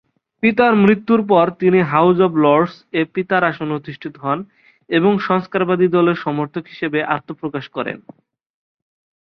পিতার মৃত্যুর পর তিনি হাউজ অফ লর্ডস-এ পিতার আসনে অধিষ্ঠিত হন এবং সংস্কারবাদী দলের সমর্থক হিসেবে আত্মপ্রকাশ করেন।